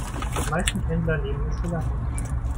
Die meisten Pendler nehmen es gelassen.